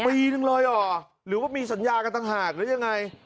ปีหนึ่งเลยอ่ะหรือว่ามีสัญญากัตถาดหรือยังไง